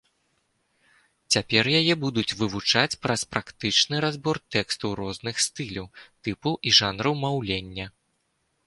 Цяпер яе будуць вывучаць праз практычны разбор тэкстаў розных стыляў, тыпаў і жанраў маўлення.